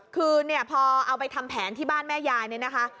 คือเนี่ยพอเอาไปทำแผนที่บ้านแม่ยายเนี่ยนะคะ